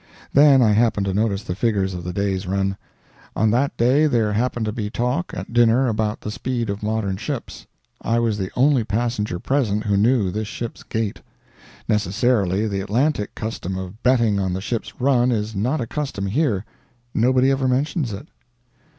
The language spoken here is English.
Then I happened to notice the figures of the day's run. On that day there happened to be talk, at dinner, about the speed of modern ships. I was the only passenger present who knew this ship's gait. Necessarily, the Atlantic custom of betting on the ship's run is not a custom here nobody ever mentions it.